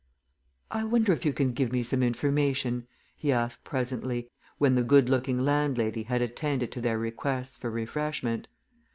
"I wonder if you can give me some information?" he asked presently, when the good looking landlady had attended to their requests for refreshment.